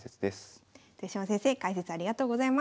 豊島先生解説ありがとうございました。